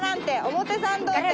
表参道店。